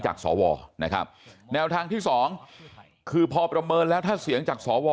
สวนะครับแนวทางที่สองคือพอประเมินแล้วถ้าเสียงจากสว